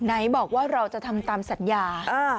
ไหนบอกว่าเราจะทำตามสัญญา